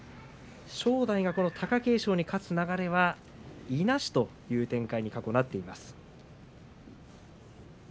正代がこの貴景勝に勝つ流れはいなしという展開に過去なっています。